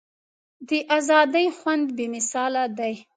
د ازادۍ خوند بې مثاله دی.